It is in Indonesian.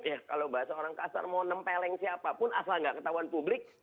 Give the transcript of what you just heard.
ya kalau bahasa orang kasar mau nempeleng siapapun asal nggak ketahuan publik